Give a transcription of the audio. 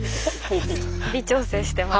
微調整してます。